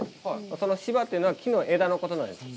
その柴というのは木の枝のことなんです。